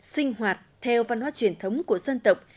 sinh hoạt theo văn hóa truyền thống của dân tộc